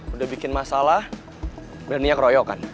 udah bikin masalah berani nya keroyokan